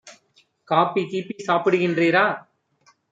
copy கீப்பி சாப்பிடு கின்றீரா